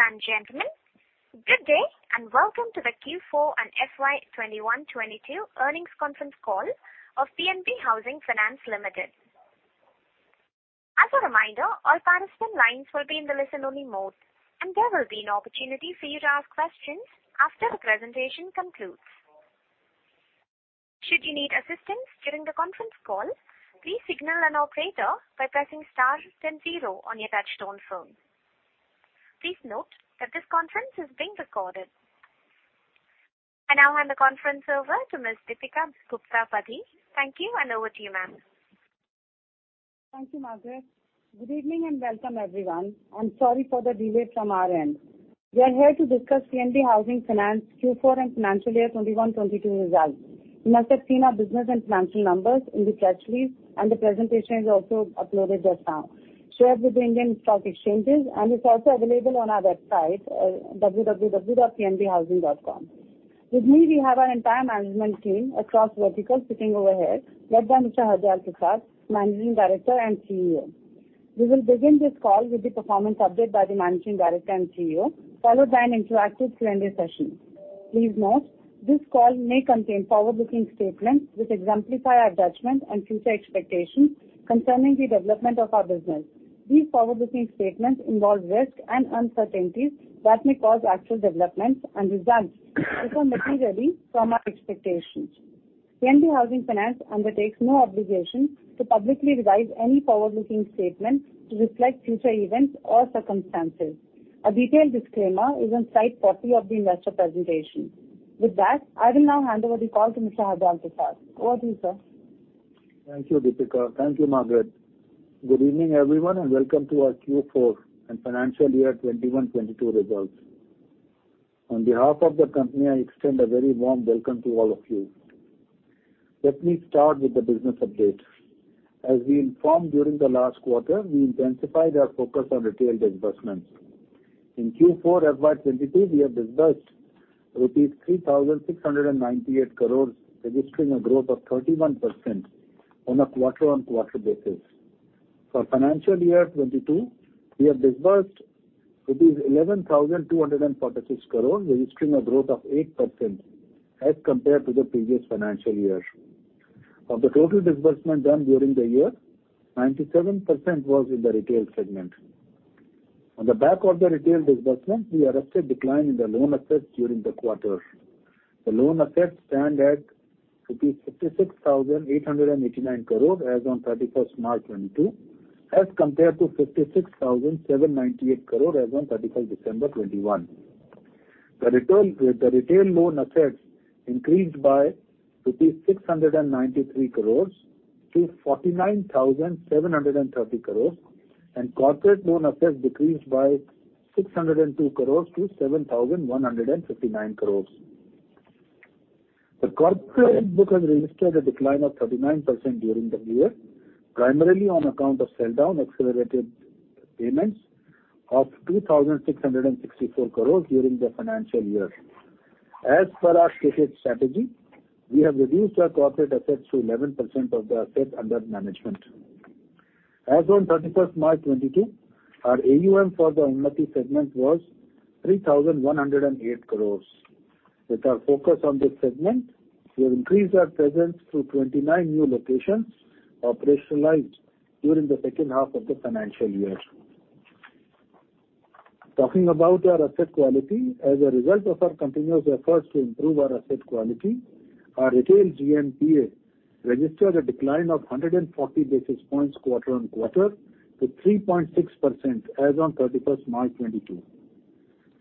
Ladies and gentlemen, good day, and welcome to the Q4 and FY 2021-2022 earnings conference call of PNB Housing Finance Limited. As a reminder, all participant lines will be in the listen-only mode, and there will be an opportunity for you to ask questions after the presentation concludes. Should you need assistance during the conference call, please signal an operator by pressing star then zero on your touchtone phone. Please note that this conference is being recorded. I now hand the conference over to Ms. Deepika Gupta Padhi. Thank you, and over to you, ma'am. Thank you, Margaret. Good evening, and welcome, everyone. I'm sorry for the delay from our end. We are here to discuss PNB Housing Finance Q4 and Financial Year 2021-2022 results. You must have seen our business and financial numbers in the press release, and the presentation is also uploaded just now, shared with the Indian stock exchanges, and it's also available on our website, www.pnbhousing.com. With me, we have our entire management team across verticals sitting over here, led by Mr. Hardayal Prasad, Managing Director and CEO. We will begin this call with the performance update by the Managing Director and CEO, followed by an interactive Q&A session. Please note, this call may contain forward-looking statements which exemplify our judgment and future expectations concerning the development of our business. These forward-looking statements involve risks and uncertainties that may cause actual developments and results to differ materially from our expectations. PNB Housing Finance undertakes no obligation to publicly revise any forward-looking statement to reflect future events or circumstances. A detailed disclaimer is on slide 40 of the investor presentation. With that, I will now hand over the call to Mr. Hardayal Prasad. Over to you, sir. Thank you, Deepika. Thank you, Margaret. Good evening, everyone, and welcome to our Q4 and FY 2021-2022 results. On behalf of the company, I extend a very warm welcome to all of you. Let me start with the business update. As we informed during the last quarter, we intensified our focus on retail disbursements. In Q4 FY 2022, we have disbursed rupees 3,698 crores, registering a growth of 31% on a quarter-on-quarter basis. For financial year 2022, we have disbursed 11,246 crores, registering a growth of 8% as compared to the previous financial year. Of the total disbursement done during the year, 97% was in the retail segment. On the back of the retail disbursement, we arrested decline in the loan assets during the quarter. The loan assets stand at rupees 56,889 crore as on 31st March 2022, as compared to 56,798 crore as on 31st December 2021. The retail loan assets increased by rupees 693 crore to 49,730 crore, and corporate loan assets decreased by 602 crore to 7,159 crore. The corporate book has registered a decline of 39% during the year, primarily on account of sell-down accelerated payments of 2,664 crore during the financial year. As per our stated strategy, we have reduced our corporate assets to 11% of the assets under management. As on 31st March 2022, our AUM for the Unnati segment was 3,108 crore. With our focus on this segment, we have increased our presence to 29 new locations operationalized during the H2 of the financial year. Talking about our asset quality, as a result of our continuous efforts to improve our asset quality, our retail GNPA registered a decline of 140 basis points quarter on quarter to 3.6% as on 31 March 2022.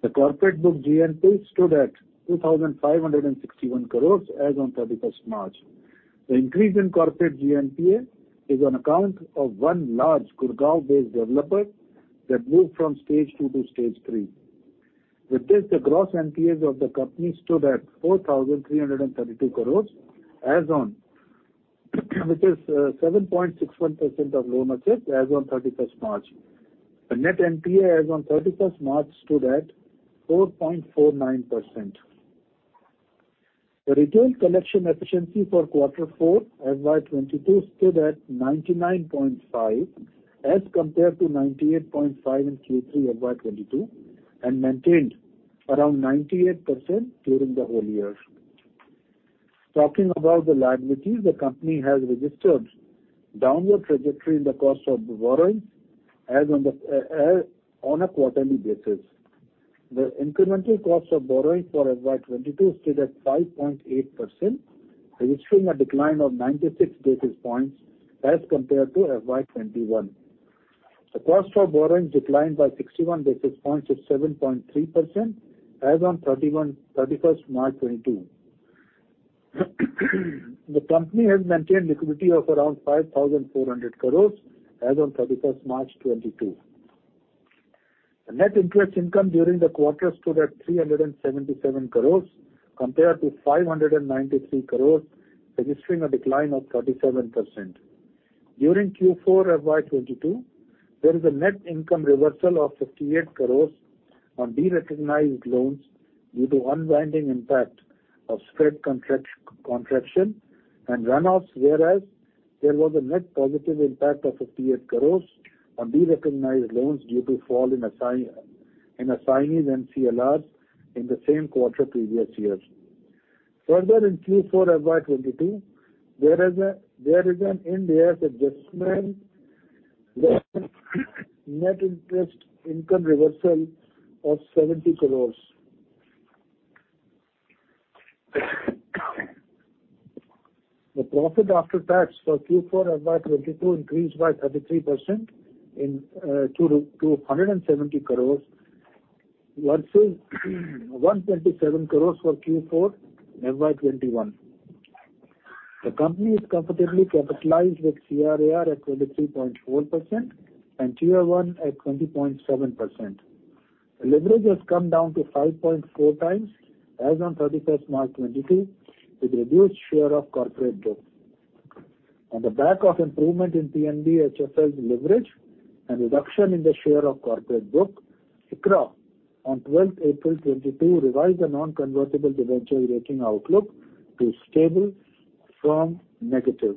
The corporate book GNP stood at 2,561 crores as on 31st March. The increase in corporate GNPA is on account of one large Gurgaon-based developer that moved from stage two to stage three. With this, the gross NPAs of the company stood at 4,332 crores as on, which is 7.61% of loan assets as on 31st March. The net NPA as on 31st March stood at 4.49%. The retail collection efficiency for quarter four FY 2022 stood at 99.5% as compared to 98.5% in Q3 FY 2022 and maintained around 98% during the whole year. Talking about the liabilities, the company has registered downward trajectory in the cost of borrowing as on a quarterly basis. The incremental cost of borrowing for FY 2022 stood at 5.8%, registering a decline of 96 basis points as compared to FY 2021. The cost of borrowing declined by 61 basis points to 7.3% as on 31st March 2022. The company has maintained liquidity of around 5,400 crores as on 31st March 2022. The net interest income during the quarter stood at 377 crore compared to 593 crore, registering a decline of 37%. During Q4 FY 2022, there is a net income reversal of 58 crore on derecognized loans due to unwinding impact of spread contraction and run-offs, whereas there was a net positive impact of 58 crore on derecognized loans due to fall in assignees and CLRs in the same quarter previous years. Further, in Q4 FY 2022, there is an in-year adjustment net interest income reversal of INR 70 crore. The profit after tax for Q4 FY 2022 increased by 33% to 170 crore versus 127 crore for Q4 FY 2021. The company is comfortably capitalized with CRAR at 23.4% and Tier I at 20.7%. The leverage has come down to 5.4x as on 31st March 2022, with reduced share of corporate book. On the back of improvement in PNBHFL's leverage and reduction in the share of corporate book, ICRA, on 12 April 2022, revised the non-convertible debenture rating outlook to stable from negative.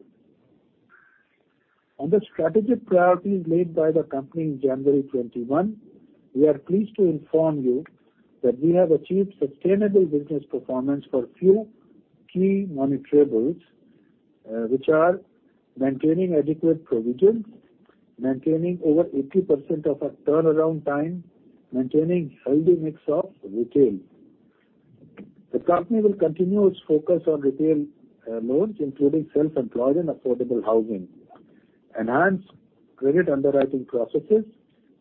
On the strategic priorities laid by the company in January 2021, we are pleased to inform you that we have achieved sustainable business performance for few key parameters, which are maintaining adequate provisions, maintaining over 80% of our turnaround time, maintaining healthy mix of retail. The company will continue its focus on retail loans, including self-employed and affordable housing, enhance credit underwriting processes,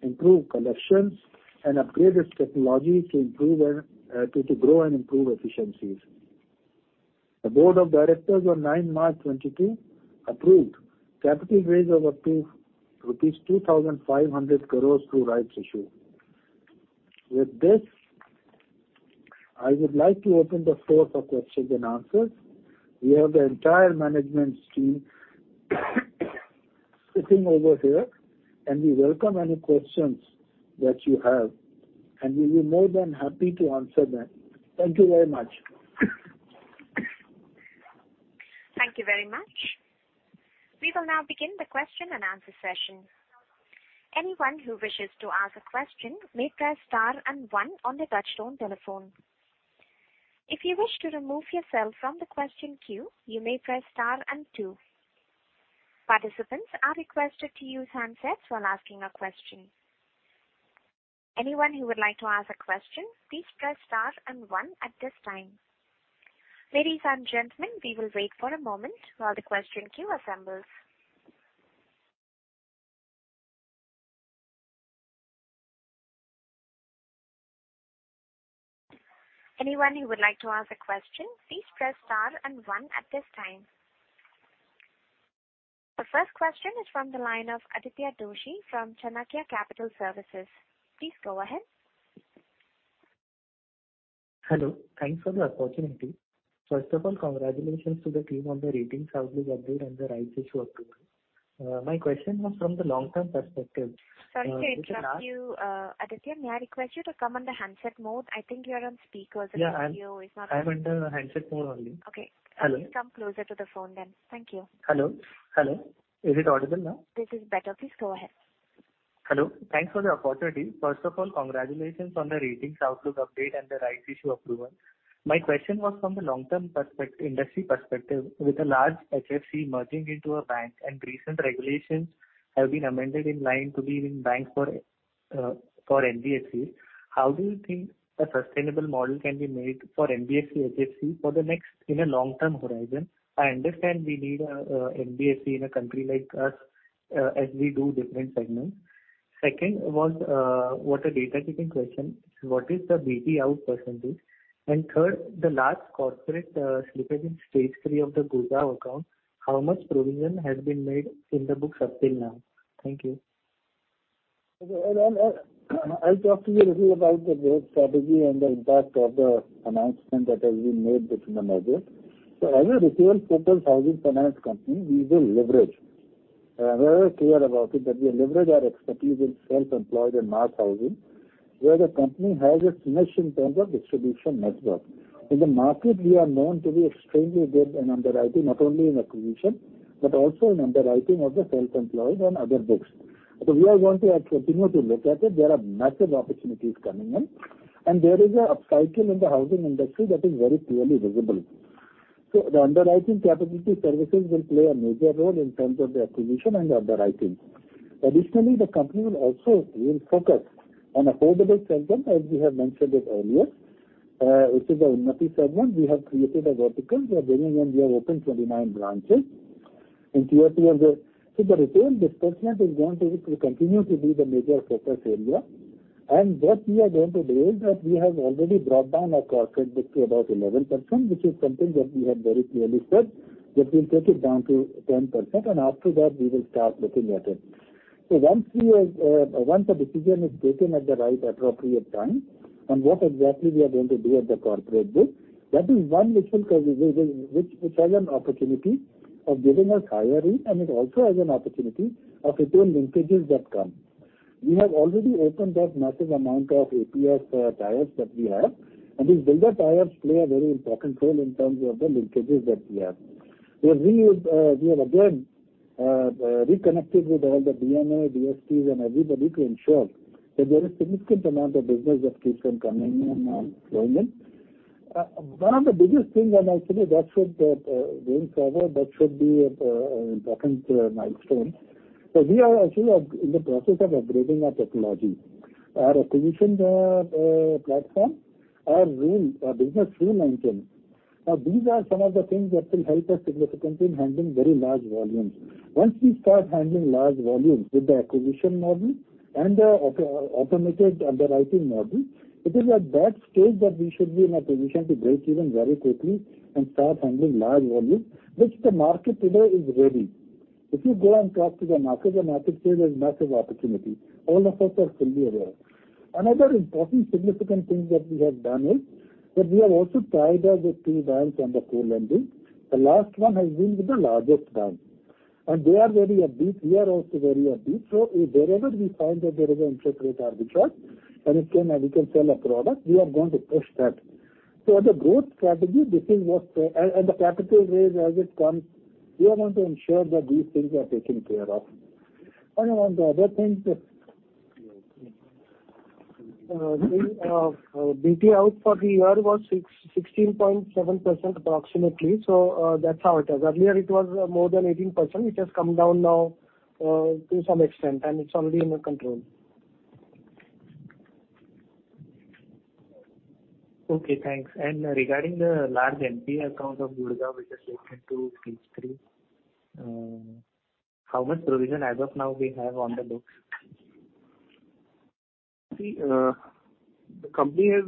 improve collections, and upgrade its technology to improve and to grow and improve efficiencies. The board of directors on ninth March 2022 approved capital raise of up to rupees 2,500 crore through rights issue. With this, I would like to open the floor for questions and answers. We have the entire management team sitting over here, and we welcome any questions that you have, and we'll be more than happy to answer them. Thank you very much. Thank you very much. We will now begin the question-and-answer session. Anyone who wishes to ask a question may press star and one on the touchtone telephone. If you wish to remove yourself from the question queue, you may press star and two. Participants are requested to use handsets when asking a question. Anyone who would like to ask a question, please press star and one at this time. Ladies and gentlemen, we will wait for a moment while the question queue assembles. Anyone who would like to ask a question, please press star and one at this time. The first question is from the line of Aditya Doshi from Chanakya Capital Services. Please go ahead. Hello. Thanks for the opportunity. First of all, congratulations to the team on the ratings outlook update and the rights issue approval. My question was from the long-term perspective. Sorry to interrupt you, Aditya. May I request you to come on the handset mode? I think you are on speaker. The audio is not Yeah. I'm under the handset mode only. Okay. Hello. Please come closer to the phone then. Thank you. Hello. Hello. Is it audible now? This is better. Please go ahead. Hello. Thanks for the opportunity. First of all, congratulations on the ratings outlook update and the rights issue approval. My question was from the long-term industry perspective. With a large HFC merging into a bank and recent regulations have been amended in line with banks for NBFCs, how do you think a sustainable model can be made for NBFC HFC for the next in a long-term horizon? I understand we need a NBFC in a country like us as we do different segments. Second was a data keeping question. What is the BT out percentage? And third, the large corporate slippage in stage-three of the GUJAR account, how much provision has been made in the books up till now? Thank you. Okay. Well, I'll talk to you a little about the growth strategy and the impact of the announcement that has been made between the measures. As a retail-focused housing finance company, we will leverage. We are very clear about it, that we leverage our expertise in self-employed and mass housing, where the company has its niche in terms of distribution network. In the market we are known to be extremely good in underwriting, not only in acquisition, but also in underwriting of the self-employed and other books. We are going to continue to look at it. There are massive opportunities coming in, and there is an upcycle in the housing industry that is very clearly visible. The underwriting capability services will play a major role in terms of the acquisition and underwriting. Additionally, the company will focus on affordable segment, as we have mentioned it earlier, which is the Unnati segment. We have created a vertical. We are bringing and we have opened 29 branches in tier two and the. The retail disbursement is going to continue to be the major focus area. What we are going to do is that we have already brought down our corporate book to about 11%, which is something that we have very clearly said, that we'll take it down to 10%, and after that we will start looking at it. Once a decision is taken at the right appropriate time on what exactly we are going to do at the corporate book, that is one which has an opportunity of giving us higher yield and it also has an opportunity of return linkages that come. We have already opened up massive amount of APFs, ties that we have and these builder ties play a very important role in terms of the linkages that we have. We have again reconnected with all the DMA, DSAs and everybody to ensure that there is significant amount of business that keeps on coming in and flowing in. One of the biggest things when I say that, going forward, should be an important milestone. We are actually in the process of upgrading our technology. Our acquisition platform, our rule, our business rule engine. These are some of the things that will help us significantly in handling very large volumes. Once we start handling large volumes with the acquisition model and the automated underwriting model, it is at that stage that we should be in a position to break even very quickly and start handling large volumes, which the market today is ready. If you go and talk to the market, the market says there's massive opportunity. All of us are fully aware. Another important significant thing that we have done is that we have also tied up with three banks under co-lending. The last one has been with the largest bank, and they are very upbeat. We are also very upbeat. Wherever we find that there is an interest rate arbitrage and we can sell a product, we are going to push that. As a growth strategy, the capital raise as it comes, we are going to ensure that these things are taken care of. I don't know on the other things. BT out for the year was 16.7% approximately. That's how it is. Earlier it was more than 18%. It has come down now to some extent, and it's already under control. Okay, thanks. Regarding the large NPA account of GUJAR, which has taken to stage three, how much provision as of now we have on the books? See, the company has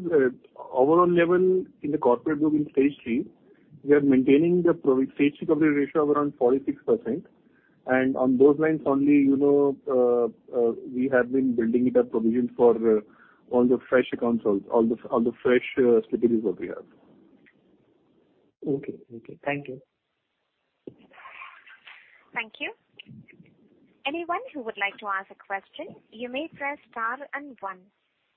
overall level in the corporate book in stage three. We are maintaining the stage recovery ratio of around 46%. On those lines only, you know, we have been building it up provision for all the fresh accounts, all the fresh slippages what we have. Okay. Thank you. Thank you. Anyone who would like to ask a question, you may press star and one.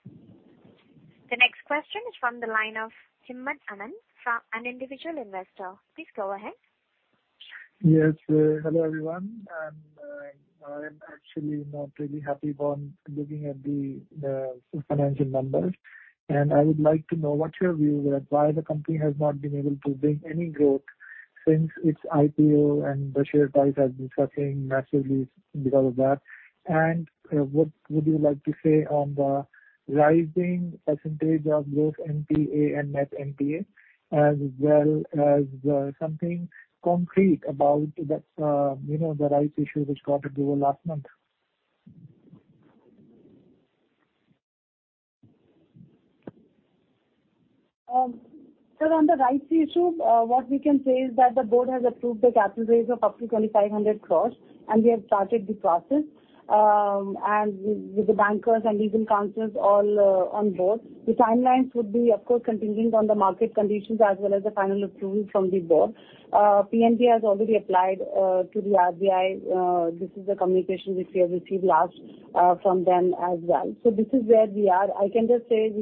The next question is from the line of Himmat Anand from an individual investor. Please go ahead. Yes. Hello, everyone. I'm actually not really happy on looking at the financial numbers. I would like to know what your view is, why the company has not been able to bring any growth since its IPO and the share price has been suffering massively because of that. What would you like to say on the rising percentage of both NPA and net NPA, as well as something concrete about that, you know, the rights issue which got approval last month? On the rights issue, what we can say is that the board has approved a capital raise of up to 2,500 crores, and we have started the process, and with the bankers and legal counsels all on board. The timelines would be, of course, contingent on the market conditions as well as the final approval from the board. PNB has already applied to the RBI. This is the communication which we have received last from them as well. This is where we are. I can just say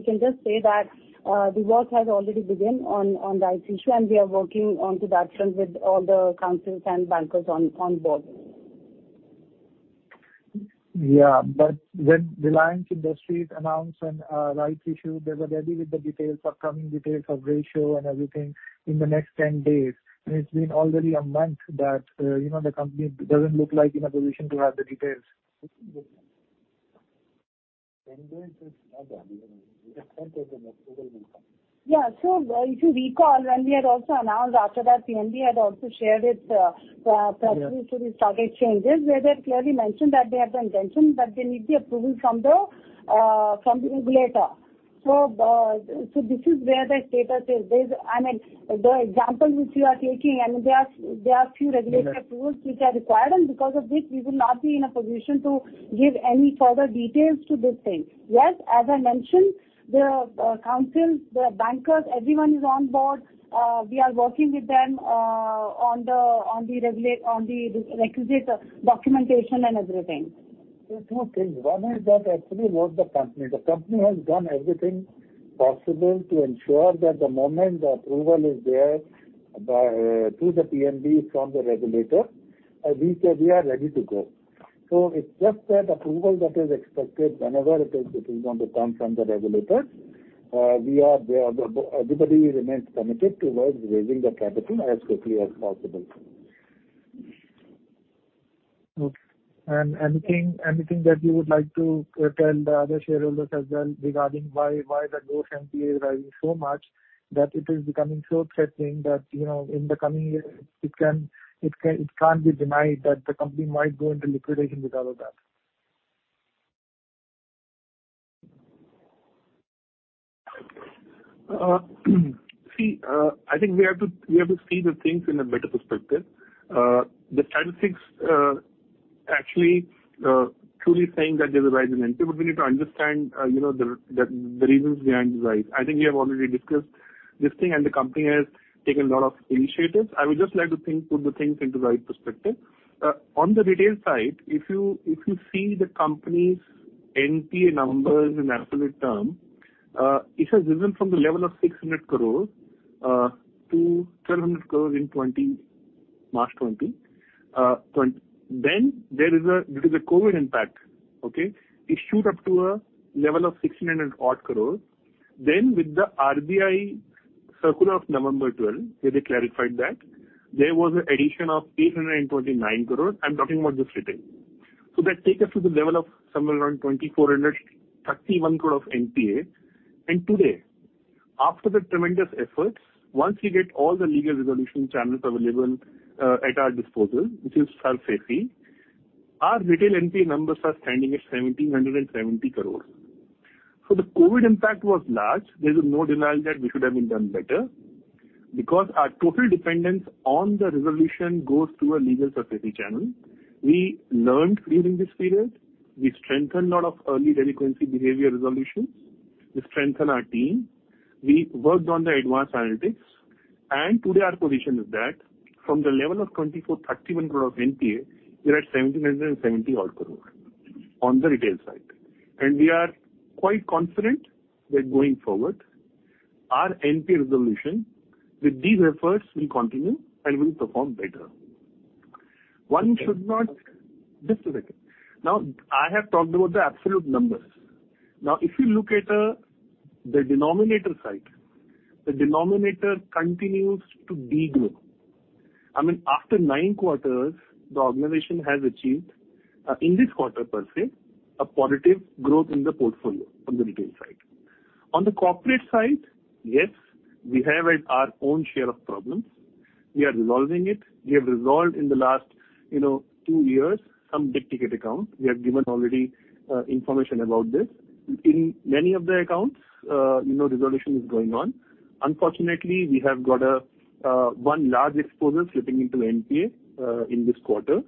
that the work has already begun on the rights issue, and we are working on to that front with all the counsels and bankers on board. Yeah. When Reliance Industries announced an rights issue, they were ready with the details for coming, details of ratio and everything in the next 10 days. It's been already a month that, you know, the company doesn't look like in a position to have the details. Yeah. If you recall, when we had also announced after that, PNB had also shared its Yeah. Strategy to the stock exchanges, where they had clearly mentioned that they have the intention, but they need the approval from the regulator. This is where the status is. I mean, the example which you are taking, I mean, there are few regulatory approvals which are required, and because of this, we will not be in a position to give any further details to this thing. Yes, as I mentioned, the counsels, the bankers, everyone is on board. We are working with them on the requisite documentation and everything. There are two things. One is that actually what the company. The company has done everything possible to ensure that the moment the approval is there, through the PNB from the regulator, we are ready to go. It's just that approval that is expected whenever it is, it is going to come from the regulator. We are there. Everybody remains committed towards raising the capital as quickly as possible. Okay. Anything that you would like to tell the other shareholders as well regarding why the gross NPA is rising so much that it is becoming so threatening that, you know, in the coming years it can't be denied that the company might go into liquidation because of that? I think we have to see the things in a better perspective. The statistics actually truly saying that there's a rise in NPA, but we need to understand you know the reasons behind the rise. I think we have already discussed this thing, and the company has taken a lot of initiatives. I would just like to put the things into right perspective. On the retail side, if you see the company's NPA numbers in absolute term, it has risen from the level of 600 crore to 1,200 crore in March 2020. Then there is due to the COVID impact, okay, it shoot up to a level of 1,600-odd crore. With the RBI circular of November 12, where they clarified that, there was an addition of 829 crore. I'm talking about just retail. That take us to the level of somewhere around 2,431 crore of NPA. Today, after the tremendous efforts, once you get all the legal resolution channels available, at our disposal, which is SARFAESI, our retail NPA numbers are standing at 1,770 crore. The COVID impact was large. There's no denial that we could have been done better because our total dependence on the resolution goes through a legal SARFAESI channel. We learned during this period. We strengthened lot of early delinquency behavior resolutions. We strengthened our team. We worked on the advanced analytics and today our position is that from the level of 2,431 crore of NPA, we're at 1,770-odd crore on the retail side. We are quite confident that going forward our NPA resolution with these efforts will continue and will perform better. Just a second. Now, I have talked about the absolute numbers. Now, if you look at the denominator side, the denominator continues to de-grow. I mean, after nine quarters the organization has achieved, in this quarter per se, a positive growth in the portfolio on the retail side. On the corporate side, yes, we have our own share of problems. We are resolving it. We have resolved in the last, you know, two years some big-ticket account. We have given already, information about this. In many of the accounts, you know, resolution is going on. Unfortunately, we have got one large exposure slipping into NPA in this quarter.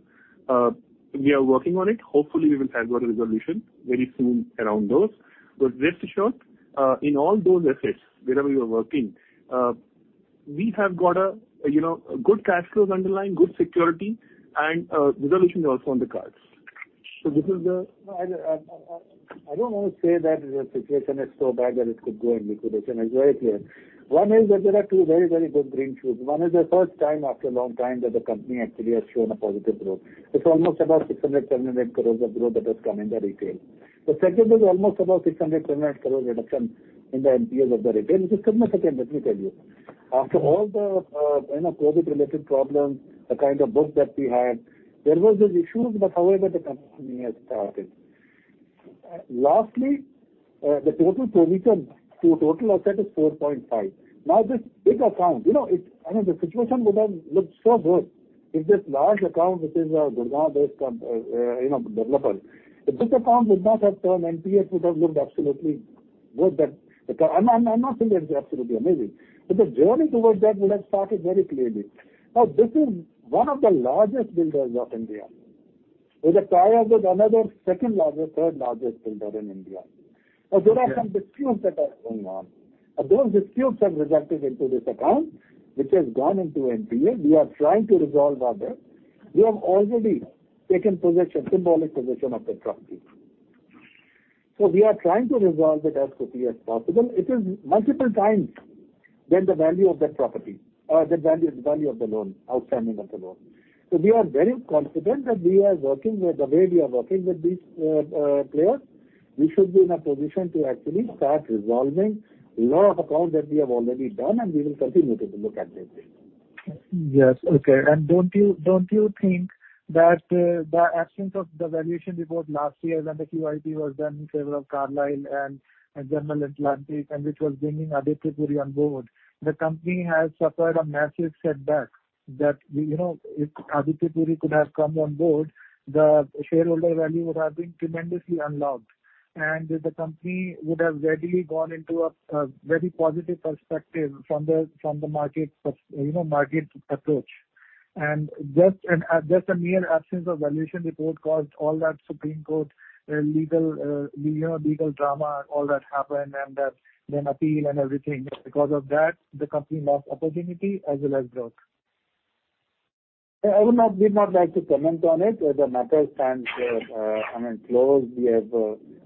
We are working on it. Hopefully we will have got a resolution very soon around those. Rest assured, in all those assets wherever we are working, we have got a, you know, good cash flows underlying, good security and resolution is also on the cards. I don't want to say that the situation is so bad that it could go in liquidation. It's very clear. One is that there are two very, very good green shoots. One is the first time after a long time that the company actually has shown a positive growth. It's almost about 600-700 crore of growth that has come in the retail. The second is almost about 600-700 crore reduction in the NPAs of the retail, which is significant, let me tell you. After all the, you know, COVID related problems, the kind of book that we had, there was these issues, but however the company has started. Lastly, the total provision to total asset is 4.5%. Now this big account, you know, it's. I mean, the situation would have looked so good if this large account which is, Gurgaon-based you know, developer. If this account would not have turned NPA it would have looked absolutely good that the. I'm not saying that it's absolutely amazing, but the journey towards that would have started very clearly. Now this is one of the largest builders of India, is at par with another second largest, third largest builder in India. Now there are some disputes that are going on and those disputes have reflected into this account which has gone into NPA. We are trying to resolve our debt. We have already taken possession, symbolic possession of the property. We are trying to resolve it as quickly as possible. It is multiple times than the value of that property, the value of the loan, outstanding of the loan. We are very confident that the way we are working with these players, we should be in a position to actually start resolving a lot of accounts that we have already done, and we will continue to look at this way. Yes. Okay. Don't you think that the absence of the valuation report last year when the QIP was done in favor of Carlyle and General Atlantic and which was bringing Aditya Puri on board, the company has suffered a massive setback that, you know, if Aditya Puri could have come on board, the shareholder value would have been tremendously unlocked and the company would have readily gone into a very positive perspective from the market's, you know, market's approach. Just a mere absence of valuation report caused all that Supreme Court legal, you know, legal drama and all that happened and that then appeal and everything because of that the company lost opportunity as well as growth. I would not, we'd not like to comment on it as the matter stands, I mean closed. We have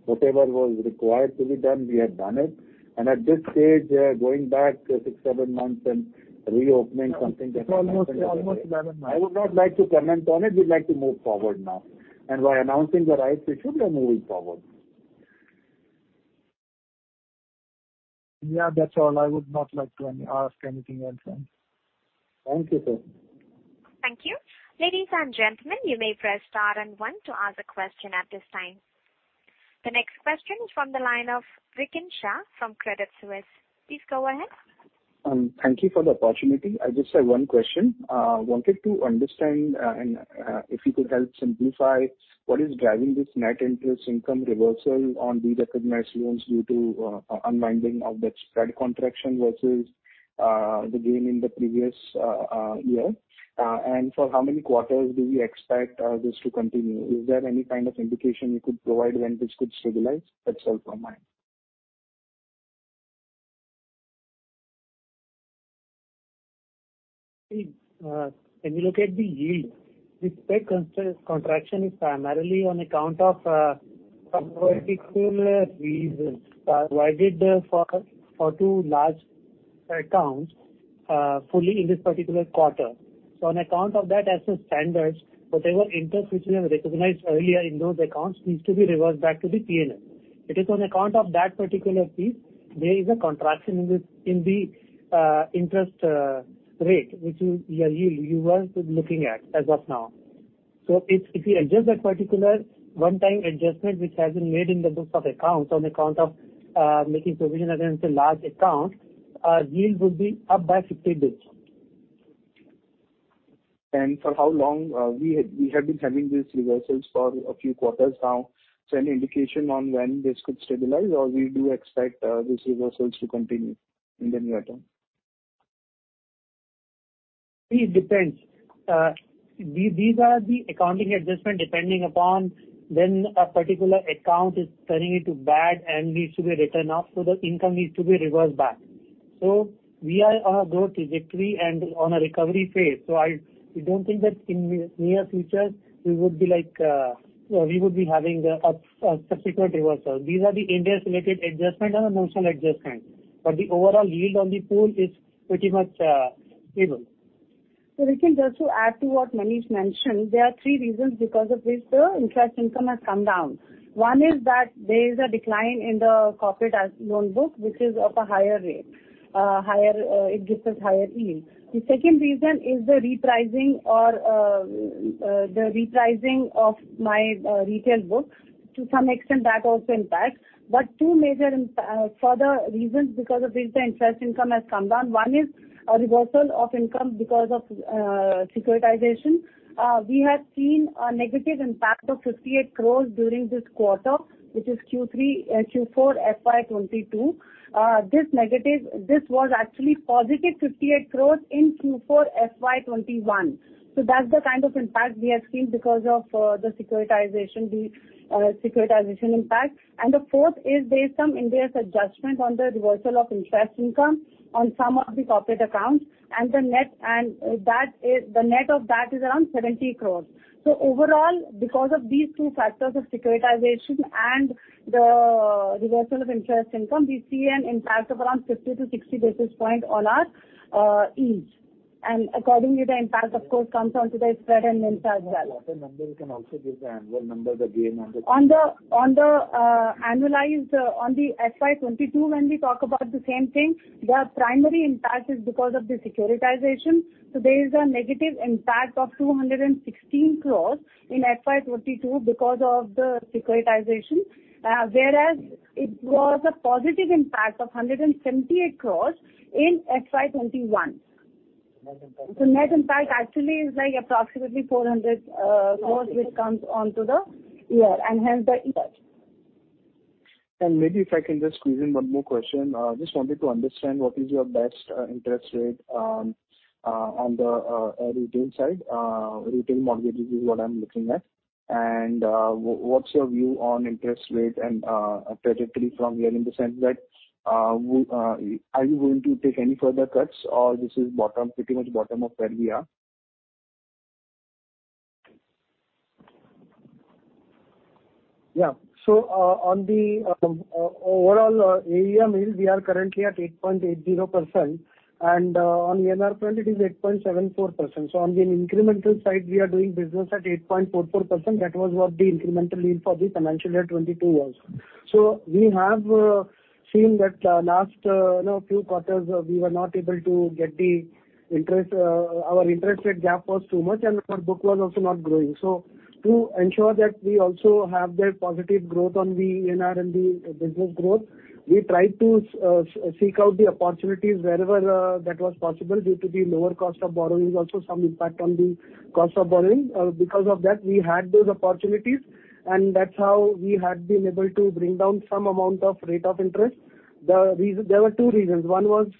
whatever was required to be done, we have done it, and at this stage, going back six, seven months and reopening something that has happened. It's almost 11 months. I would not like to comment on it. We'd like to move forward now and by announcing the rights issue we are moving forward. Yeah, that's all. I would not like to ask anything else then. Thank you, sir. Thank you. Ladies and gentlemen, you may press star and one to ask a question at this time. The next question is from the line of Rikin Shah from Credit Suisse. Please go ahead. Thank you for the opportunity. I just have one question. Wanted to understand and if you could help simplify what is driving this net interest income reversal on de-recognized loans due to unwinding of that spread contraction versus the gain in the previous year? For how many quarters do you expect this to continue? Is there any kind of indication you could provide when this could stabilize itself or mind? See, when you look at the yield, the spread contraction is primarily on account of some particular reasons provided for two large accounts fully in this particular quarter. On account of that as the standards, whatever interest which we have recognized earlier in those accounts needs to be reversed back to the P&L. It is on account of that particular piece there is a contraction in the interest rate, the yield you were looking at as of now. If you adjust that particular one-time adjustment which has been made in the books of accounts on account of making provision against a large account, our yield would be up by 50 basis points. For how long we have been having these reversals for a few quarters now. Any indication on when this could stabilize or we do expect these reversals to continue in the near term? It depends. These are the accounting adjustments depending upon when a particular account is turning into bad and needs to be written off, so the income needs to be reversed back. We are on a growth trajectory and on a recovery phase. We don't think that in near future we would be like, we would be having subsequent reversals. These are the Ind AS related adjustment and a notional adjustment. But the overall yield on the pool is pretty much stable. We can just to add to what Manish mentioned, there are three reasons because of which the interest income has come down. One is that there is a decline in the corporate loan book which is of a higher rate, it gives us higher yield. The second reason is the repricing of my retail book. To some extent that also impacts. Further reasons because of which the interest income has come down. One is a reversal of income because of securitization. We have seen a negative impact of 58 crore during this quarter, which is Q4 FY 2022. This was actually positive 58 crore in Q4 FY 2021. That's the kind of impact we have seen because of the securitization impact. The fourth is based on Ind AS adjustment on the reversal of interest income on some of the corporate accounts, and the net of that is around 70 crore. Overall, because of these two factors of securitization and the reversal of interest income, we see an impact of around 50-60 basis points on our yield. Accordingly, the impact of course comes on to the spread and impact as well. number, you can also give the annual number, the GNPA number. On the annualized FY 2022 when we talk about the same thing, the primary impact is because of the securitization. There is a negative impact of 216 crores in FY 2022 because of the securitization. Whereas it was a positive impact of 178 crores in FY 2021. Net impact. The net impact actually is like approximately 400 crore which comes onto the year and hence the impact. Maybe if I can just squeeze in one more question. Just wanted to understand what is your best interest rate on the retail side. Retail mortgages is what I'm looking at. What's your view on interest rate and trajectory from here in the sense that are you going to take any further cuts or this is bottom, pretty much bottom of where we are? Yeah. On the overall AUM yield, we are currently at 8.80%. On the NIM front it is 8.74%. On the incremental side, we are doing business at 8.44%. That was what the incremental yield for the financial year 2022 was. We have seen that, last, you know, few quarters, we were not able to get the interest, our interest rate gap was too much and our book was also not growing. To ensure that we also have that positive growth on the NIM and the business growth, we tried to seek out the opportunities wherever that was possible due to the lower cost of borrowings, also some impact on the cost of borrowing. Because of that, we had those opportunities and that's how we had been able to bring down some amount of rate of interest. The reason there were two reasons. One was,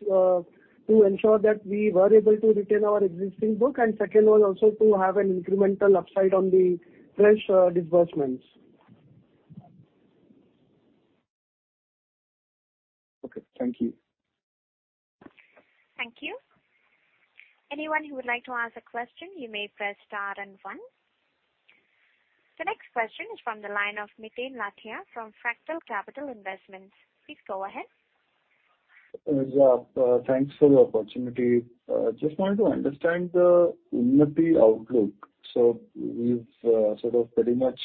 to ensure that we were able to retain our existing book, and second was also to have an incremental upside on the fresh, disbursements. Okay, thank you. Thank you. Anyone who would like to ask a question, you may press star and one. The next question is from the line of Miten Lathia from Fractal Capital Investments. Please go ahead. Yeah, thanks for the opportunity. Just wanted to understand the Unnati outlook. We've sort of pretty much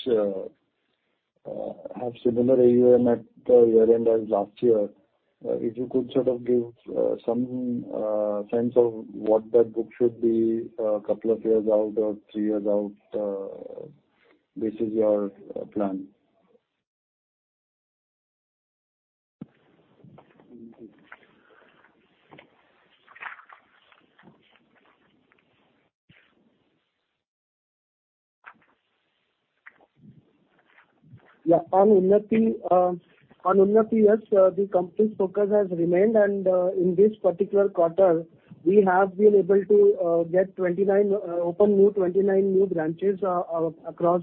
have similar AUM at the year end as last year. If you could sort of give some sense of what that book should be couple of years out or three years out, this is your plan. Yeah. On Unnati, yes, the company's focus has remained and, in this particular quarter, we have been able to open 29 new branches across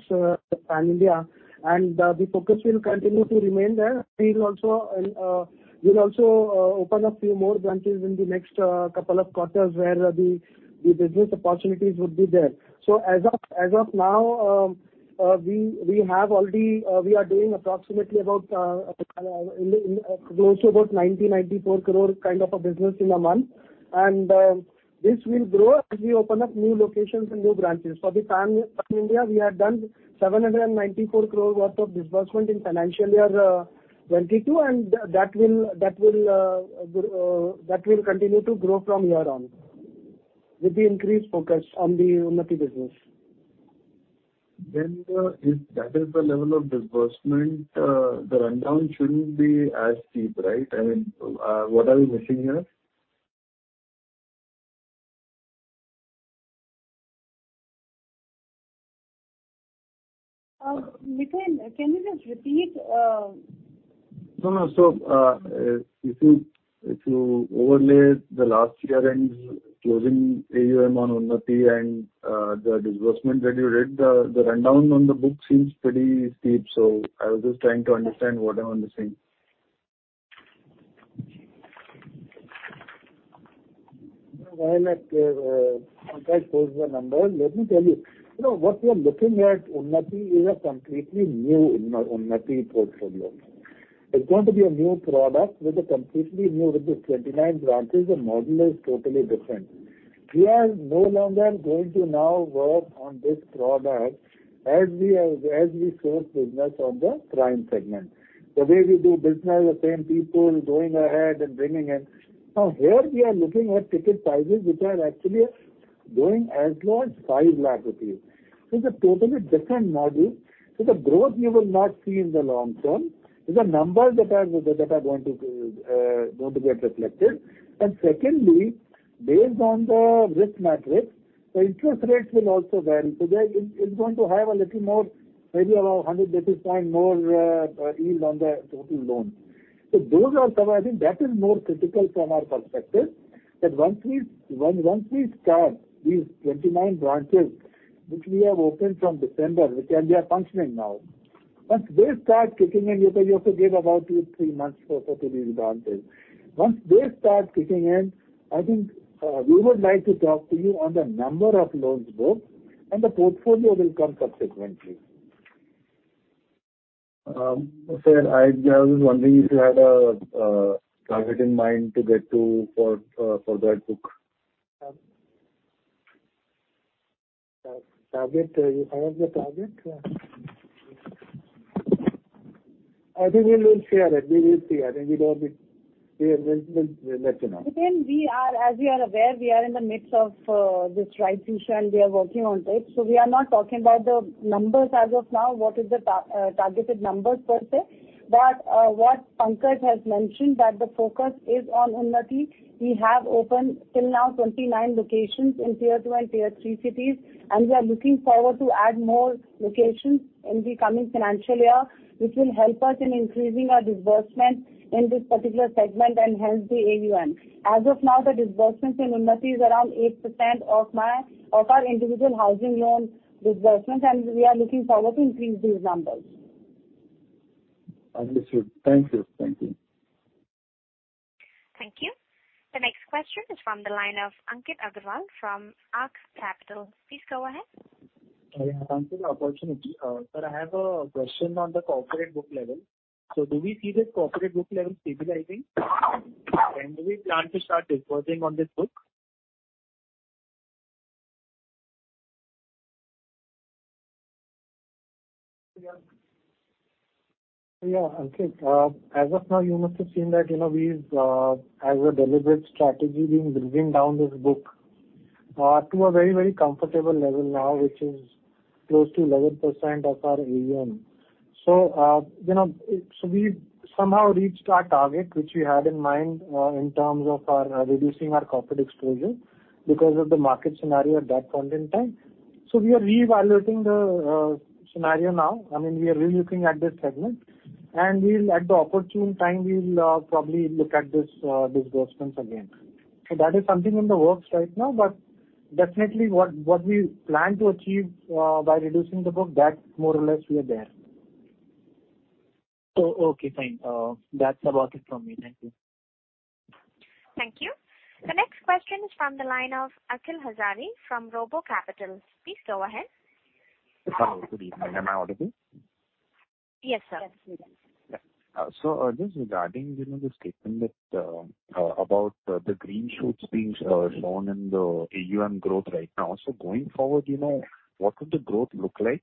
pan India. The focus will continue to remain there. We'll also open a few more branches in the next couple of quarters where the business opportunities would be there. As of now, we have already. We are doing approximately about, in the close to about 94 crore kind of a business in a month. This will grow as we open up new locations and new branches. For the Pan India, we have done 794 crore worth of disbursement in financial year 2022, and that will continue to grow from here on with the increased focus on the Unnati business. If that is the level of disbursement, the rundown shouldn't be as steep, right? I mean, what are we missing here? Miten, can you just repeat? No, no. If you overlay the last year-end closing AUM on Unnati and the disbursement that you did, the rundown on the book seems pretty steep. I was just trying to understand what I'm missing. While, Pankaj goes through the numbers, let me tell you. You know, what we are looking at Unnati is a completely new Unnati portfolio. It's going to be a new product with a completely new. With the 29 branches, the model is totally different. We are no longer going to now work on this product as we are, as we source business on the prime segment. The way we do business with same people going ahead and bringing in. Now, here we are looking at ticket sizes which are actually going as low as 5 lakh rupees. This is a totally different model, so the growth you will not see in the long term. These are numbers that are going to get reflected. Secondly, based on the risk matrix, the interest rates will also vary. There it's going to have a little more, maybe about 100 basis points more yield on the total loan. Those are some. I think that is more critical from our perspective, that once we start these 29 branches which we have opened from December, and they are functioning now. Once they start kicking in, you have to give about two to three months for these branches. Once they start kicking in, I think we would like to talk to you on the number of loans booked and the portfolio will come subsequently. Sir, I was wondering if you had a target in mind to get to for that book? Target? You have the target? I think we will share it. We will see. I think we don't. We will, we'll let you know. Miten, as you are aware, we are in the midst of this rights issue and we are working on it. We are not talking about the numbers as of now. What is the targeted numbers per se. What Pankaj has mentioned that the focus is on Unnati. We have opened till now 29 locations in tier two and tier three cities, and we are looking forward to add more locations in the coming financial year, which will help us in increasing our disbursement in this particular segment and hence the AUM. As of now, the disbursements in Unnati is around 8% of our individual housing loan disbursements, and we are looking forward to increase these numbers. Understood. Thank you. Thank you. Thank you. The next question is from the line of Ankit Agarwal from Ark Capital. Please go ahead. Thank you for the opportunity. Sir, I have a question on the corporate book level. Do we see this corporate book level stabilizing? When do we plan to start disbursing on this book? Yeah, Ankit, as of now, you must have seen that, you know, we've, as a deliberate strategy, we've driven down this book, to a very, very comfortable level now, which is close to 11% of our AUM. You know, we somehow reached our target, which we had in mind, in terms of our reducing our corporate exposure because of the market scenario at that point in time. We are reevaluating the scenario now. I mean, we are relooking at this segment and we'll at the opportune time probably look at this disbursements again. That is something in the works right now, but definitely what we plan to achieve by reducing the book, that more or less we are there. Okay, fine. That's about it from me. Thank you. Thank you. The next question is from the line of Akhil Hazari from RoboCapital. Please go ahead. Hello, good evening. Am I audible? Yes, sir. Yes, we can. Yeah. Just regarding, you know, the statement about the green shoots being shown in the AUM growth right now. Going forward, you know, what would the growth look like?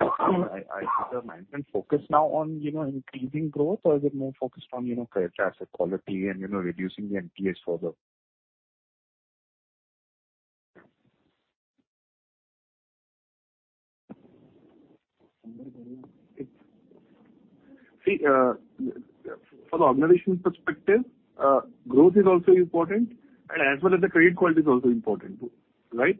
I think the management focus now on, you know, increasing growth or is it more focused on, you know, credit asset quality and, you know, reducing the NPA further? See, from organization perspective, growth is also important and as well as the credit quality is also important, right?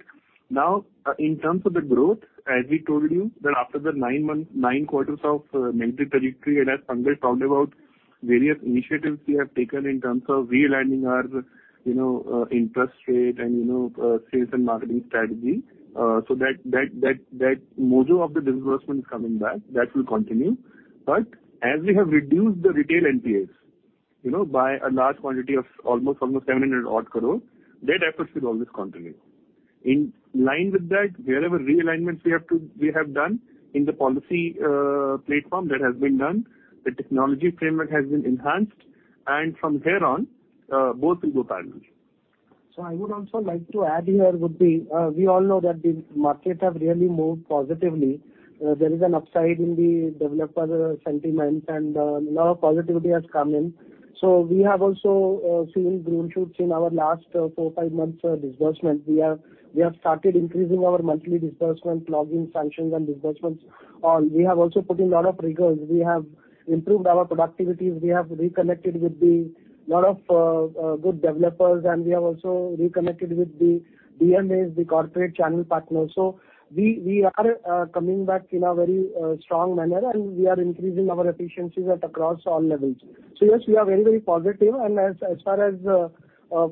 Now, in terms of the growth, as we told you that after the nine months, nine quarters of negative trajectory, and as Pankaj talked about various initiatives we have taken in terms of realigning our, you know, interest rate and, you know, sales and marketing strategy. That module of the disbursement is coming back. That will continue. As we have reduced the retail NPAs, you know, by a large quantity of almost 700 crore, that effort will always continue. In line with that, we have done realignments in the policy platform that has been done, the technology framework has been enhanced. From here on, both will go parallel. I would also like to add here, we all know that the markets have really moved positively. There is an upside in the developer sentiments and lot of positivity has come in. We have also seen green shoots in our last four to five months disbursement. We have started increasing our monthly disbursement loan sanctions and disbursements. We have also put in lot of rigors. We have improved our productivities. We have reconnected with lot of good developers, and we have also reconnected with the DMAs, the corporate channel partners. We are coming back in a very strong manner, and we are increasing our efficiencies across all levels. Yes, we are very, very positive. As far as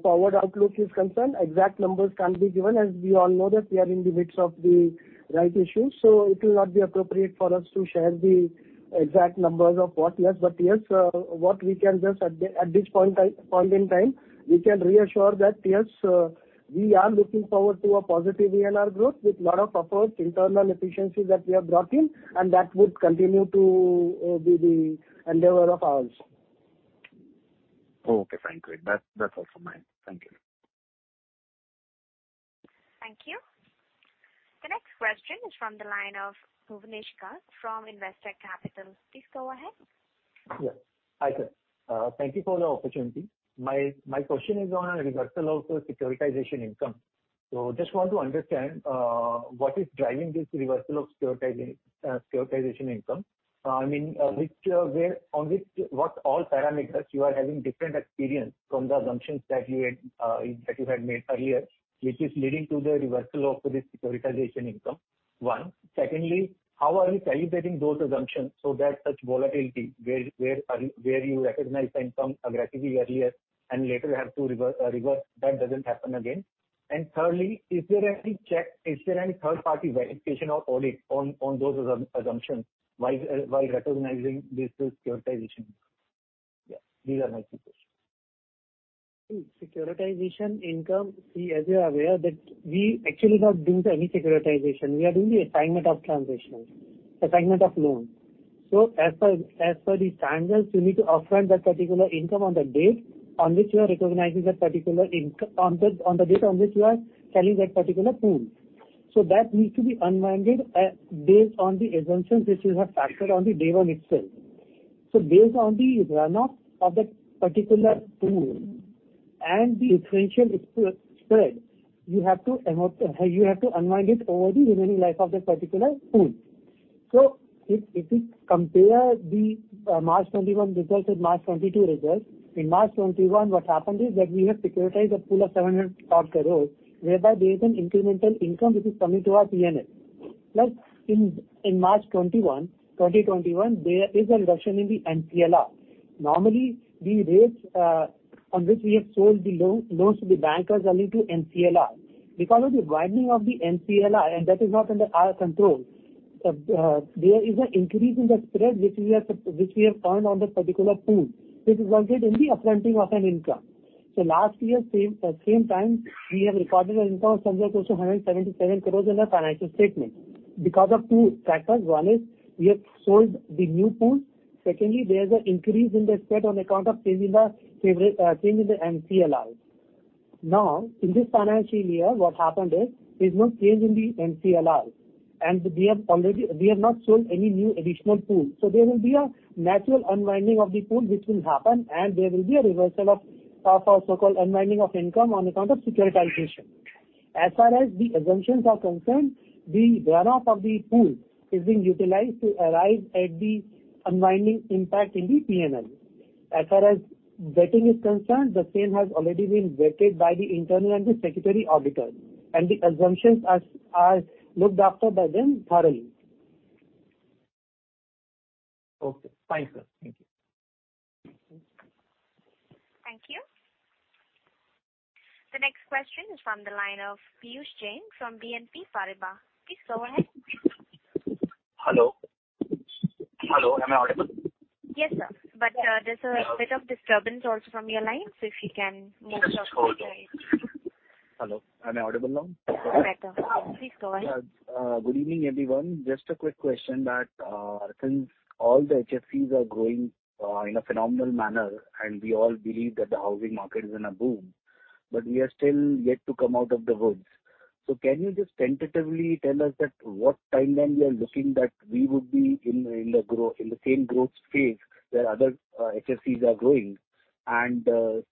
forward outlook is concerned, exact numbers can't be given as we all know that we are in the midst of the rate issues. It will not be appropriate for us to share the exact numbers of what, yes. Yes, what we can just at this point in time, we can reassure that yes, we are looking forward to a positive year in our growth with lot of efforts, internal efficiencies that we have brought in and that would continue to be the endeavor of ours. Okay, fine. Great. That's all from my end. Thank you. Thank you. The next question is from the line of Bhuvanesh Kaur from Investment Capital. Please go ahead. Yes. Hi, sir. Thank you for the opportunity. My question is on reversal of securitization income. So just want to understand what is driving this reversal of securitization income. I mean, which, where on which, what all parameters you are having different experience from the assumptions that you had made earlier, which is leading to the reversal of this securitization income. One. Secondly, how are you calibrating those assumptions so that such volatility where you recognize the income aggressively earlier and later you have to reverse, that doesn't happen again. And thirdly, is there any check, is there any third party verification or audit on those assumptions while recognizing this securitization? Yeah, these are my three questions. Securitization income. See, as you are aware that we actually not doing any securitization. We are doing the assignment or transfer, assignment of loan. As per the standards, you need to upfront that particular income on the date on which you are recognizing that particular income on the date on which you are selling that particular pool. That needs to be unwound based on the assumptions which you have factored on the day one itself. Based on the runoff of that particular pool and the differential spread, you have to unwind it over the remaining life of that particular pool. If you compare the March 2021 results with March 2022 results, in March 2021, what happened is that we have securitized a pool of 700-odd crores, whereby there is an incremental income which is coming to our P&L. Plus, in March 2021, there is a reduction in the MCLR. Normally, the rates on which we have sold the loans to the bankers are linked to MCLR. Because of the widening of the MCLR, and that is not under our control, there is an increase in the spread which we have earned on that particular pool, which resulted in the upfronting of an income. Last year, same time, we have recorded an income of somewhere close to 177 crores in our financial statement because of two factors. One is we have sold the new pool. Secondly, there is an increase in the spread on account of change in the MCLRs. Now, in this financial year, what happened is there's no change in the MCLRs, and we have not sold any new additional pool. There will be a natural unwinding of the pool which will happen and there will be a reversal of our so-called unwinding of income on account of securitization. As far as the assumptions are concerned, the runoff of the pool is being utilized to arrive at the unwinding impact in the P&L. As far as vetting is concerned, the same has already been vetted by the internal and the statutory auditors, and the assumptions are looked after by them thoroughly. Okay. Fine, sir. Thank you. Thank you. The next question is from the line of Piyush Jain from BNP Paribas. Please go ahead. Hello? Hello, am I audible? Yes, sir. There's a bit of disturbance also from your line, so if you can mute yourself. Sure. Hello, am I audible now? Better. Please go ahead. Yeah. Good evening, everyone. Just a quick question that since all the HFCs are growing in a phenomenal manner, and we all believe that the housing market is in a boom, but we are still yet to come out of the woods. Can you just tentatively tell us what timeline we are looking that we would be in the same growth phase where other HFCs are growing?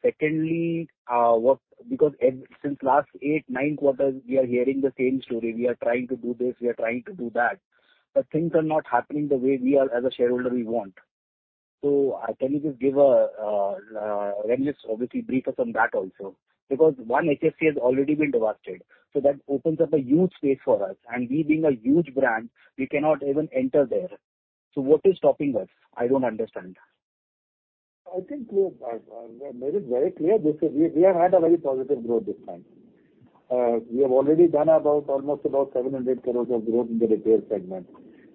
Second, what, because since last eight, nine quarters, we are hearing the same story. We are trying to do this, we are trying to do that, but things are not happening the way we are as a shareholder we want. Can you just give when this, obviously brief us on that also? Because one HFC has already been divested, so that opens up a huge space for us. We being a huge brand, we cannot even enter there. What is stopping us? I don't understand. I think we have made it very clear. We have had a very positive growth this time. We have already done about 700 crore of growth in the retail segment.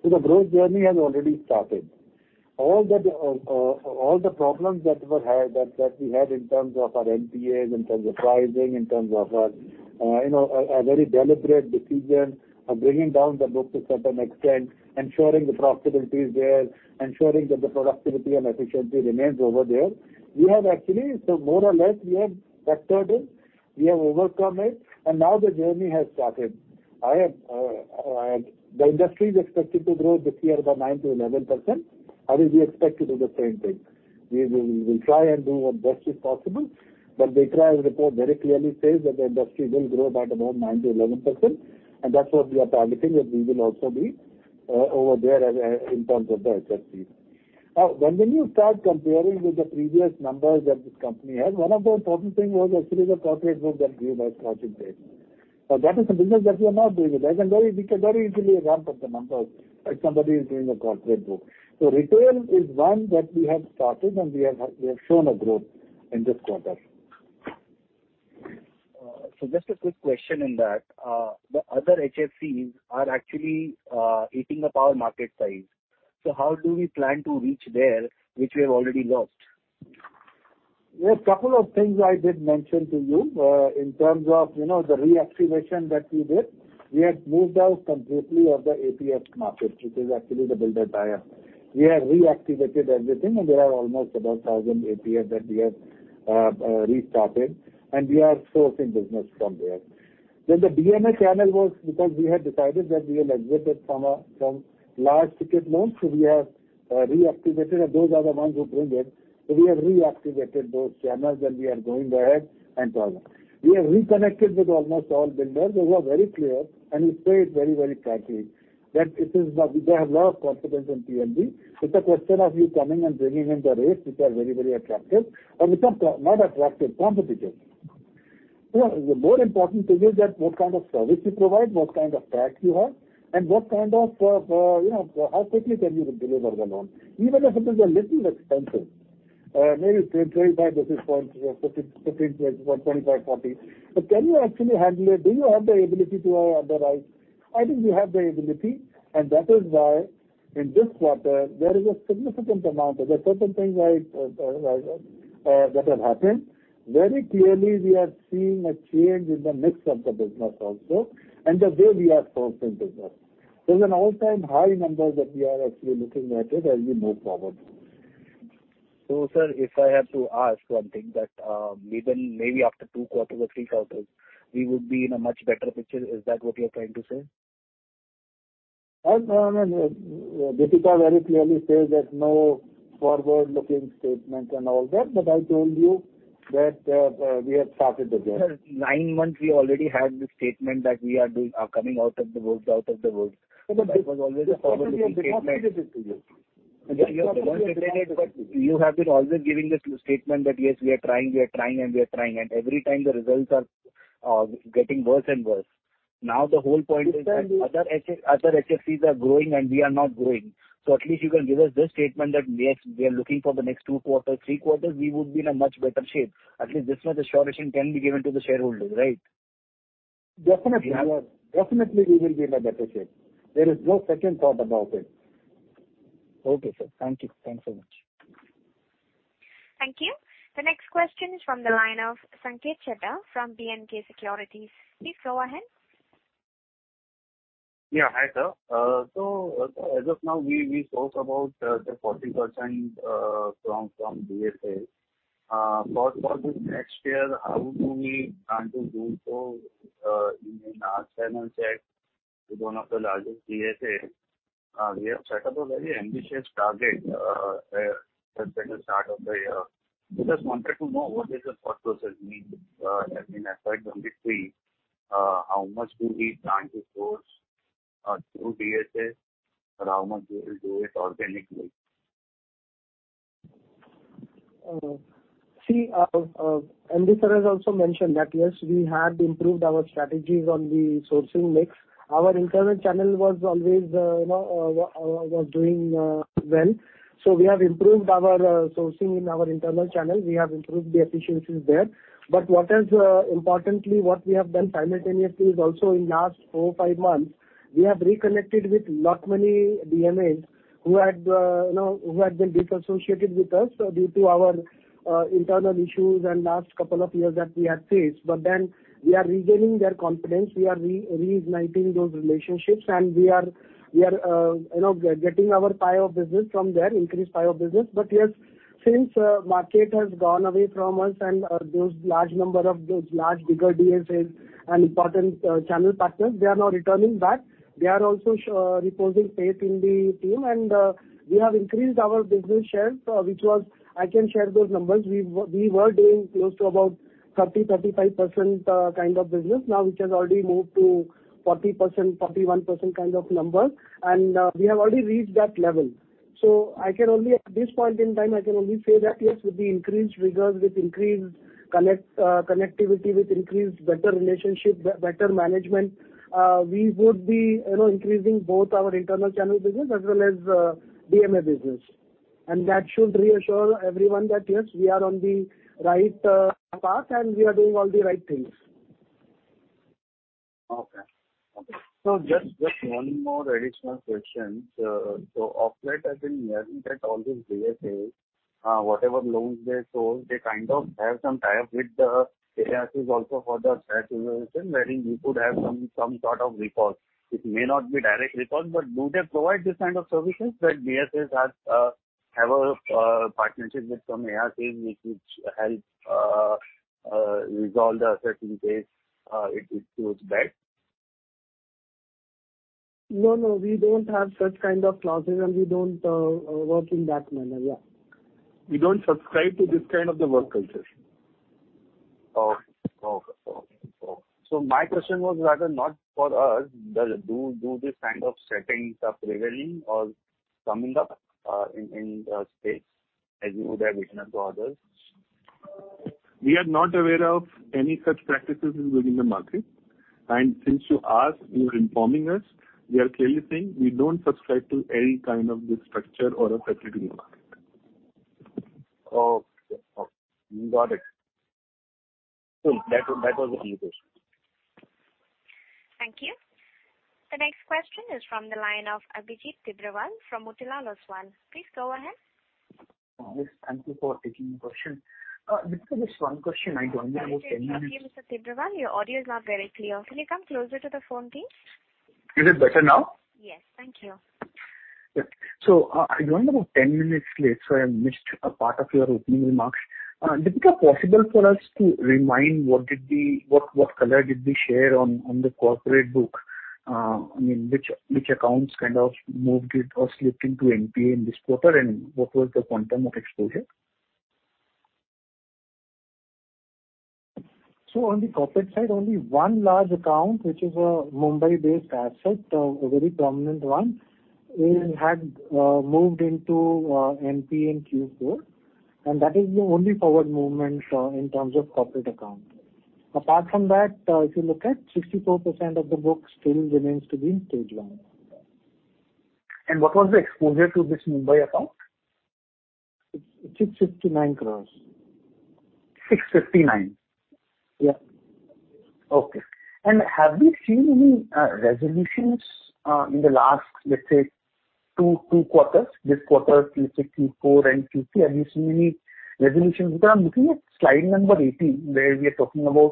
The growth journey has already started. All the problems that we had in terms of our NPAs, in terms of pricing, in terms of you know, a very deliberate decision of bringing down the book to certain extent, ensuring the profitability is there, ensuring that the productivity and efficiency remains over there. We have actually, so more or less, we have factored in, we have overcome it, and now the journey has started. The industry is expected to grow this year about 9%-11% and we expect to do the same thing. We will try and do our best if possible. ICRA's report very clearly says that the industry will grow at about 9%-11%, and that's what we are targeting, that we will also be over there as a, in terms of the HFC. Now, when you start comparing with the previous numbers that this company has, one of the important thing was actually the corporate book that we were crowding there. Now that is a business that we are not doing it. We can very easily ramp up the numbers if somebody is doing the corporate book. Retail is one that we have started and we have shown a growth in this quarter. Just a quick question in that. The other HFCs are actually eating up our market size. How do we plan to reach there, which we have already lost? There are a couple of things I did mention to you. In terms of, you know, the reactivation that we did. We have moved out completely of the APF market, which is actually the builder buyer. We have reactivated everything, and there are almost 1,000 APFs that we have restarted, and we are sourcing business from there. The DMA channel was because we had decided that we will exit from large ticket loans. We have reactivated, and those are the ones who bring it. We have reactivated those channels, and we are going ahead and so on. We have reconnected with almost all builders. They were very clear, and we say it very, very frankly, that it is not. They have lot of confidence in PNB. It's a question of you coming and bringing in the rates which are very, very attractive or which are not attractive, competitive. The more important thing is that what kind of service you provide, what kind of track you have and what kind of, you know, how quickly can you deliver the loan. Even if it is a little expensive, maybe 20, 25 basis points or 15, 24, 25, 40. But can you actually handle it? Do you have the ability to underwrite? I think we have the ability, and that is why in this quarter there is a significant amount of the certain things that have happened. Very clearly we are seeing a change in the mix of the business also and the way we are sourcing business. There's an all-time high number that we are actually looking at it as we move forward. Sir, if I have to ask one thing that, even maybe after two quarters or three quarters, we would be in a much better picture. Is that what you're trying to say? Well, no. Deepika very clearly says that no forward-looking statement and all that, but I told you that, we have started the journey. Sir, nine months we already had this statement that we are coming out of the woods. That was always a forward-looking statement. It has contributed to this. You have been always giving the statement that yes, we are trying, and every time the results are getting worse and worse. Now, the whole point is that other HFC, other HFCs are growing and we are not growing. At least you can give us this statement that, yes, we are looking for the next two quarters, three quarters, we would be in a much better shape. At least this much assurance can be given to the shareholders, right? Definitely. Definitely we will be in a better shape. There is no second thought about it. Okay, sir. Thank you. Thanks so much. Thank you. The next question is from the line of Sanket Chheda from B&K Securities. Please go ahead. Hi, sir. So as of now, we spoke about the 40% from DSA. For this next year, how do we plan to move forward in our channel check to one of the largest DSA. We have set up a very ambitious target since the start of the year. We just wanted to know what is the thought process, I mean, as per 2023, how much do we plan to source through DSA or how much we will do it organically? MD sir has also mentioned that, yes, we had improved our strategies on the sourcing mix. Our internal channel was always, you know, was doing well. We have improved our sourcing in our internal channel. We have improved the efficiencies there. What else, importantly, what we have done simultaneously is also in last four, five months, we have reconnected with lot many DMAs who had, you know, who had been disassociated with us due to our internal issues and last couple of years that we had faced. We are regaining their confidence. We are reigniting those relationships and we are, you know, getting our pie of business from there, increased pie of business. Yes, since the market has gone away from us and those large bigger DSAs and important channel partners, they are now returning back. They are also reposing faith in the team. We have increased our business share, which was, I can share those numbers. We were doing close to about 30-35% kind of business now, which has already moved to 40%-41% kind of numbers. We have already reached that level. I can only at this point in time say that yes, with the increased rigor, with increased connectivity, with increased better relationship, better management, we would be, you know, increasing both our internal channel business as well as DMA business. That should reassure everyone that yes, we are on the right path and we are doing all the right things. Just one more additional question. Of late has been hearing that all these DSAs, whatever loans they sold, they kind of have some tie-up with the ARCs also for the asset resolution, wherein you could have some sort of recourse. It may not be direct recourse, but do they provide this kind of services that DSAs have a partnership with some ARCs which help resolve the asset in case it is proved bad? No, no, we don't have such kind of clauses and we don't work in that manner. Yeah. We don't subscribe to this kind of the work culture. Okay. My question was rather not for us. Does it do this kind of settings are prevailing or coming up, in the space as you would have witnessed others? We are not aware of any such practices within the market. Since you asked, you are informing us, we are clearly saying we don't subscribe to any kind of this structure or a practice in the market. Okay. Got it. That was only question. Thank you. The next question is from the line of Abhijit Tibrewal from Motilal Oswal. Please go ahead. Yes, thank you for taking the question. Deepika, just one question. I joined about 10 minutes- Thank you, Mr. Tibrewal. Your audio is not very clear. Can you come closer to the phone, please? Is it better now? Yes. Thank you. Yes. I joined about 10 minutes late, so I missed a part of your opening remarks. Deepika, possible for us to remind what color did we share on the corporate book? I mean, which accounts kind of moved it or slipped into NPA in this quarter and what was the quantum of exposure? On the corporate side, only one large account, which is a Mumbai-based asset, a very prominent one, it had moved into NPA in Q4 and that is the only forward movement in terms of corporate account. Apart from that, if you look at 64% of the book still remains to be stage one. What was the exposure to this Mumbai account? It's INR 659 crores. 659? Yeah. Okay. Have we seen any resolutions in the last, let's say two quarters? This quarter, Q4 and Q3, have you seen any resolutions? Because I'm looking at slide number 18 where we are talking about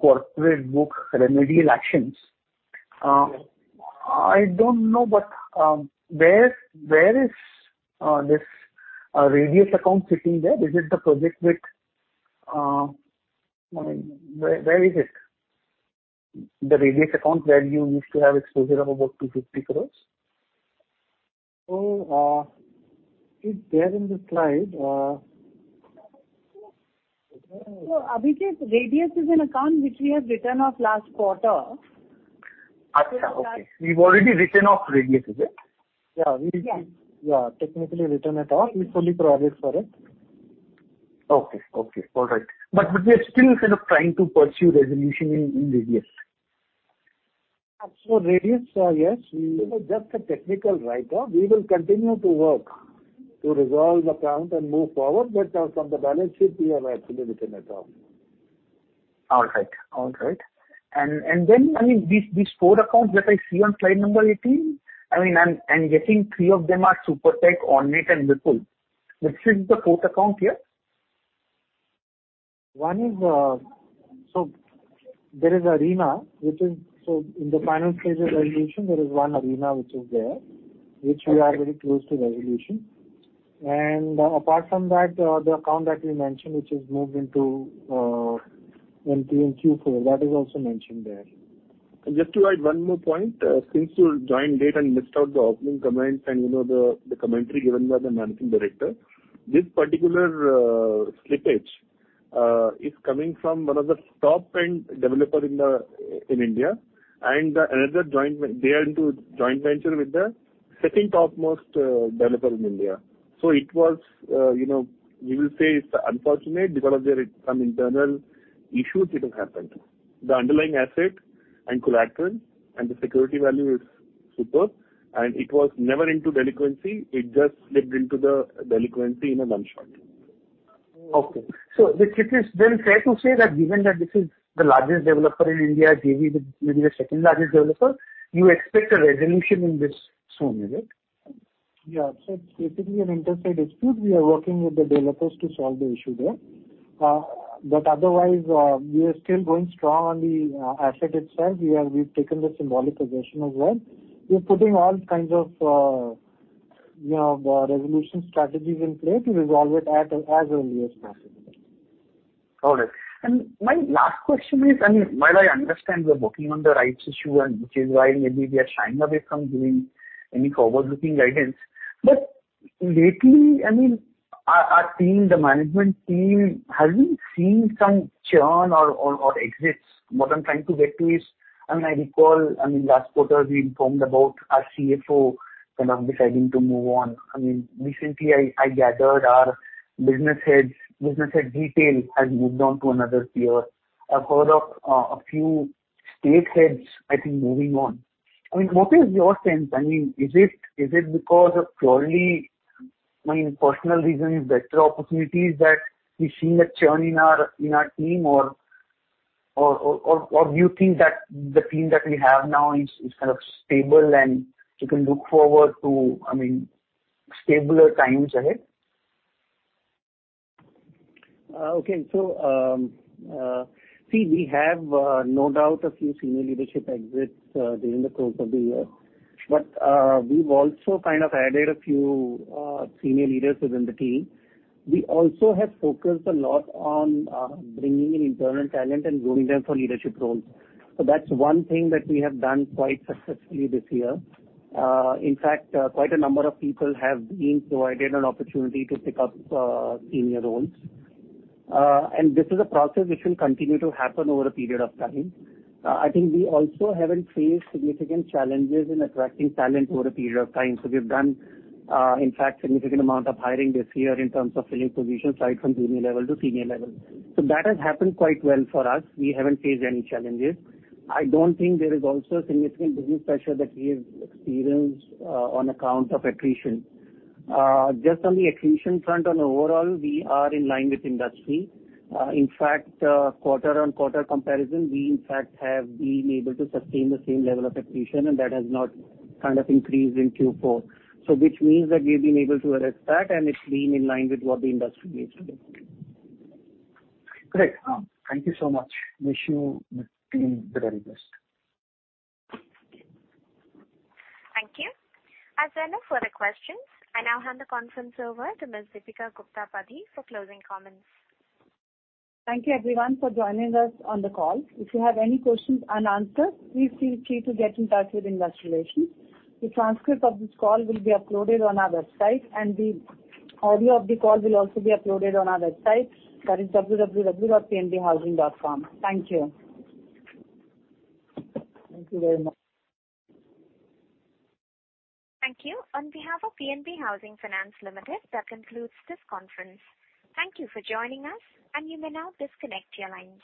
corporate book remedial actions. I don't know, but where is this Radius account sitting there? I mean, where is it? The Radius account where you used to have exposure of about 250 crore. It's there in the slide. Abhijit, Radius is an account which we have written off last quarter. Achha, okay. We've already written off Radius, is it? Yeah. Yeah. Yeah. Technically written it off. We fully provided for it. Okay. All right. We are still sort of trying to pursue resolution in Radius. Radius, yes, just a technical write-off. We will continue to work to resolve the account and move forward, but from the balance sheet, we have actually written it off. All right. I mean, these four accounts that I see on slide number 18, I mean, I'm guessing three of them are Supertech, Ornate and Vipul. Which is the fourth account here? One is Arena, which is in the final stage of resolution. There is one Arena which is there, which we are very close to resolution. Apart from that, the account that we mentioned, which has moved into NPA in Q4, that is also mentioned there. Just to add one more point. Since you joined late and missed out the opening comments and you know the commentary given by the managing director, this particular slippage is coming from one of the top end developer in the in India and another joint venture they are into joint venture with the second topmost developer in India. It was you know we will say it's unfortunate because of their some internal issues it has happened. The underlying asset and collateral and the security value is superb and it was never into delinquency. It just slipped into the delinquency in a lump sum. Okay. It is then fair to say that given that this is the largest developer in India, JV with maybe the second largest developer, you expect a resolution in this soon, right? It's basically an interstate dispute. We are working with the developers to solve the issue there. Otherwise, we are still going strong on the asset itself. We've taken the symbolic possession as well. We are putting all kinds of, you know, resolution strategies in place to resolve it as early as possible. Got it. My last question is, I mean, while I understand you are working on the rights issue and which is why maybe we are shying away from giving any forward-looking guidance, but lately, I mean, our team, the management team, have you seen some churn or exits? What I'm trying to get to is, I mean, I recall, I mean, last quarter we informed about our CFO kind of deciding to move on. I mean, recently I gathered our business heads. Business head retail has moved on to another peer. I've heard of a few state heads I think moving on. I mean, what is your sense? I mean, is it because of purely, I mean, personal reasons, better opportunities that we've seen a churn in our team or do you think that the team that we have now is kind of stable and we can look forward to, I mean, stabler times ahead? Okay. We have no doubt a few senior leadership exits during the course of the year. We've also kind of added a few senior leaders within the team. We also have focused a lot on bringing in internal talent and growing them for leadership roles. That's one thing that we have done quite successfully this year. In fact, quite a number of people have been provided an opportunity to pick up senior roles. This is a process which will continue to happen over a period of time. I think we also haven't faced significant challenges in attracting talent over a period of time. We've done, in fact, significant amount of hiring this year in terms of filling positions right from junior level to senior level. That has happened quite well for us. We haven't faced any challenges. I don't think there is also a significant business pressure that we have experienced on account of attrition. Just on the attrition front on overall, we are in line with industry. In fact, quarter-on-quarter comparison, we in fact have been able to sustain the same level of attrition and that has not kind of increased in Q4. Which means that we've been able to arrest that and it's been in line with what the industry is doing. Great. Thank you so much. Wish you and the team the very best. Thank you. As there are no further questions, I now hand the conference over to Ms. Deepika Gupta Padhi for closing comments. Thank you everyone for joining us on the call. If you have any questions unanswered, please feel free to get in touch with investor relations. The transcript of this call will be uploaded on our website and the audio of the call will also be uploaded on our website. That is www.pnbhousing.com. Thank you. Thank you very much. Thank you. On behalf of PNB Housing Finance Limited, that concludes this conference. Thank you for joining us, and you may now disconnect your lines.